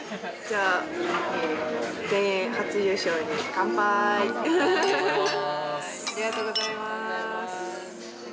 ありがとうございます。